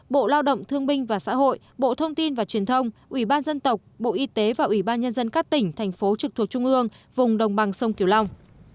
bộ lao động thương binh và xã hội bộ thông tin và truyền thông ủy ban dân tộc bộ y tế và ủy ban nhân dân các tỉnh thành phố trực thuộc trung ương vùng đồng bằng sông kiều long